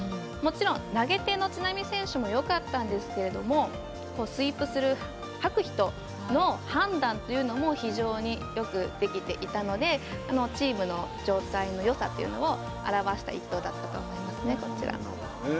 もちろん、投げ手の知那美選手もよかったんですけれどもスイープする掃く人の判断というのも非常によくできていたのでチームの状態のよさというのを表した１投だったと思いますねこちら。